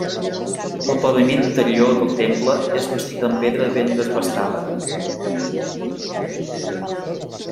El paviment interior del temple és bastit en pedra ben desbastada.